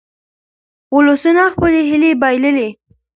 ولسونه خپلې هیلې بایلي.